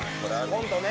コントね。